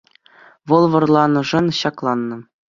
Вӑл вӑрланӑшӑн ҫакланнӑ.